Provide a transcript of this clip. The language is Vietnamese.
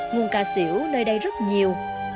nguồn cà xỉu nơi đây rất nhiều